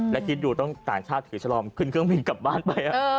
แล้วคิดดูต้องต่างชาติถือฉลอมขึ้นเครื่องบินกลับบ้านไป